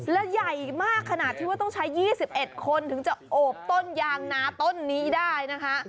และใหญ่มากขนาดที่ว่าต้องใช้๒๑คนถึงจะโอบต้นยางนาต้นนี้ได้นะคะ